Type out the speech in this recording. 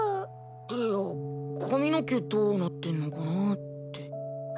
いや髪の毛どうなってんのかなって。